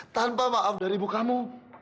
tanpa maaf dari ibu kamu